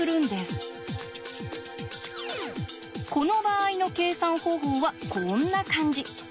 この場合の計算方法はこんな感じ。